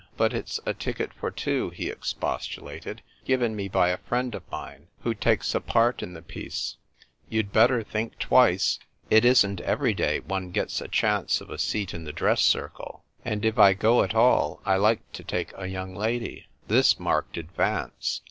" But it's a ticket for two," he expostulated, " given me by a friend of mine who takes a part in the piece. You'd better think twice. It isn't A CAVALIER MAKES ADVANCES. 1 35 every day one gets a chance of a seat in the dress circle. And if I go at all I like to take a young lady." This marked advance.